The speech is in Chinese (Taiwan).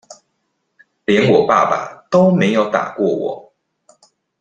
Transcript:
連我爸爸都沒有打過我